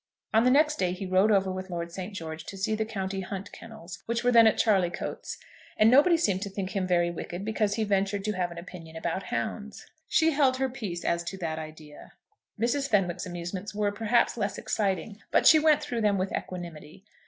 On the next day he rode over with Lord St. George to see the County Hunt kennels, which were then at Charleycoats, and nobody seemed to think him very wicked because he ventured to have an opinion about hounds. Mrs. Fenwick's amusements were, perhaps, less exciting, but she went through them with equanimity.